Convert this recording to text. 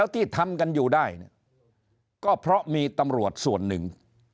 ที่ทำกันอยู่ได้เนี่ยก็เพราะมีตำรวจส่วนหนึ่ง